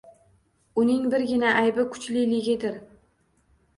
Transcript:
Uning birgina aybi kuchliligidir.